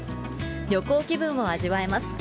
旅行気分を味わえます。